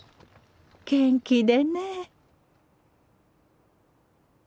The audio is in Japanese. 元気でね。